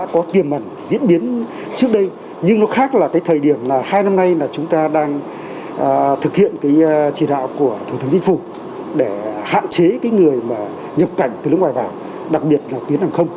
cảnh sát điều tra đang thực hiện trì đạo của thủ tướng dinh phủ để hạn chế người nhập cảnh từ nước ngoài vào đặc biệt là tuyến hàng không